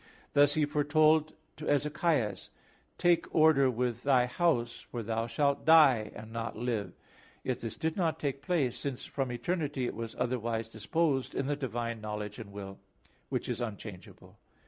Thus He foretold to Ezechias: "Take order with thy house, for thou shalt die, and not live" (Isa. 38:1). Yet this did not take place, since from eternity it was otherwise disposed in the divine knowledge and will, which is unchangeable.